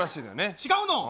違うの？